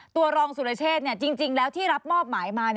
ตัวรองสุรเชษจริงแล้วที่รับมอบหมายมา